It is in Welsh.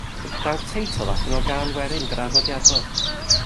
Daw'r teitl allan o gân werin draddodiadol.